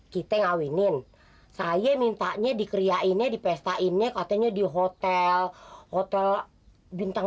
kita ngawinin saya mintanya dikeryainnya dipestainnya katanya di hotel hotel bintang